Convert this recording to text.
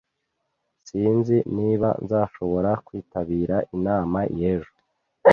Sinzi niba nzashobora kwitabira inama y'ejo.